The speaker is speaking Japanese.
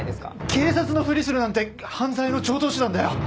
警察のふりするなんて犯罪の常套手段だよ！